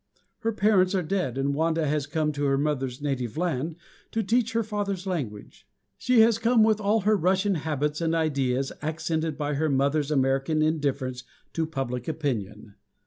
Her parents are dead, and Wanda has come to her mother's native land, to teach her father's language. She has come with all her Russian habits and ideas accented by her mother's American indifference to public opinion.